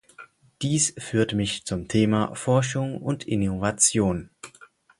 Dies führt mich zum Thema Forschung und Innovation.